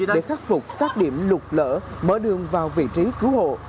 để khắc phục các điểm lục lỡ mở đường vào vị trí cứu hộ